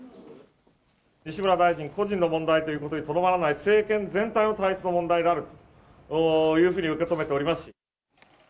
西村大臣個人の問題ということにとどまらない、政権全体の体質の問題であるというふうに受け止めております。